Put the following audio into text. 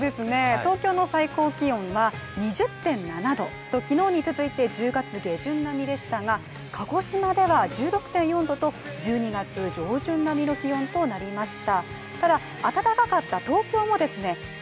東京の最高気温は２０．７℃と昨日に続いて１０月下旬並みでしたが、鹿児島では１６．４℃と１２月上旬並みの気温となりました。